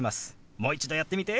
もう一度やってみて！